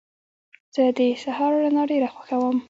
زه د سهار رڼا ډېره خوښوم.